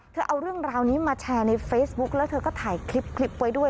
เอาเรื่องราวนี้มาแชร์ในเฟซบุ๊กแล้วเธอก็ถ่ายคลิปไว้ด้วย